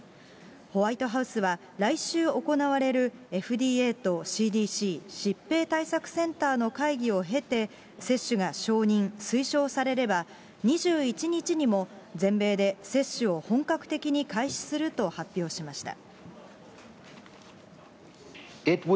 ホワイトハウスは、来週行われるＦＤＡとＣＤＣ・疾病対策センターの会議を経て、接種が承認、推奨されれば、２１日にも全米で接種を本格的に開始すると発表しました。